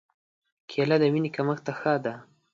کېله د وینې کمښت ته ښه ده.